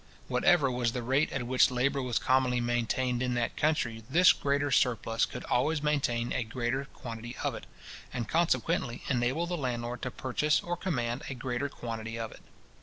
Whatever was the rate at which labour was commonly maintained in that country, this greater surplus could always maintain a greater quantity of it, and, consequently, enable the landlord to purchase or command a greater quantity of it.